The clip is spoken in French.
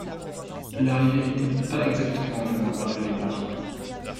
L'arrivée n'était pas exactement au même endroit que le départ.